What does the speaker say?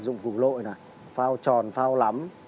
dụng cụ nổi này phao tròn phao lắm